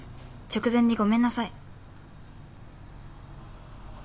直前にごめんなさい！！」